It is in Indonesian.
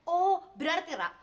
oh berarti ra